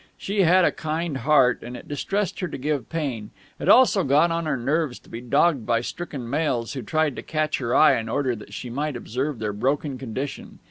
She had a kind heart, and it distressed her to give pain. It also got on her nerves to be dogged by stricken males who tried to catch her eye in order that she might observe their broken condition.